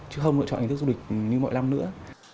chứ không lựa chọn hình thức du lịch như mọi năm nữa